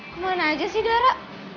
kemana aja sih dara